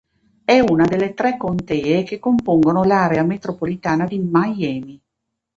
È una delle tre contee che compongono l'Area metropolitana di Miami.